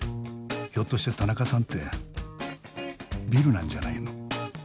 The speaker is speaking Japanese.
ひょっとして田中さんってビルなんじゃないの？